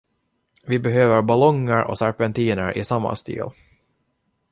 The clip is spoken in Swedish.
Vi behöver ballonger och serpentiner i samma stil.